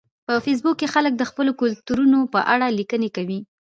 په فېسبوک کې خلک د خپلو کلتورونو په اړه لیکنې کوي